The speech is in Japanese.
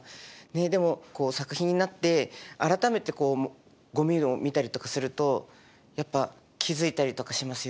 でも作品になって改めてゴミを見たりとかするとやっぱ気付いたりとかしますよね。